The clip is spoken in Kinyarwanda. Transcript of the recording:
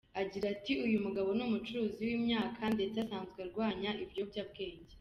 Agira ati “Uyu mugabo ni umucuruzi w’imyaka ndetse asanzwe arwanya ibiyobyabwenge.